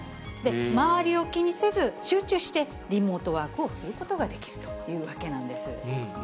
周りを気にせず、集中してリモートワークをすることができるというわけなんです。